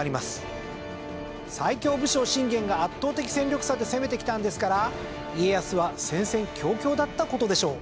最強武将信玄が圧倒的戦力差で攻めてきたんですから家康は戦々恐々だった事でしょう。